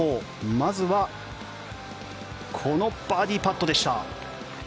まずはこのバーディーパットでした。